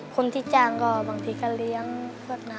คนที่จ้างก็บางทีก็เลี้ยงเพื่อนน้อง